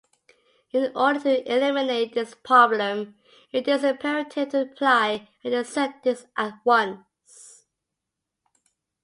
In order to eliminate this problem, it is imperative to apply antiseptics at once.